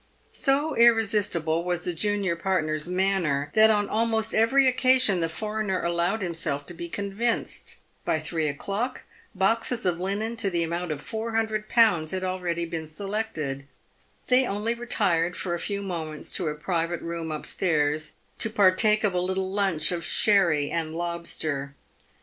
So irresistible was the junior partner's manner, that on almost every occasion the foreigner allowed himself to be convinced. By three o'clock, boxes of linen to the amount of 400?. had already been selected. They only retired for a few moments to a private room up stairs, to partake of a little lunch of sherry and lobster.